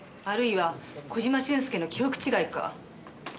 あるいは小島俊介の記憶違いか。